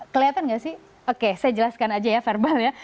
kelihatan nggak sih oke saya jelaskan aja ya verbal ya